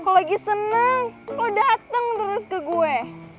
lo lagi seneng lo dateng terus ke gue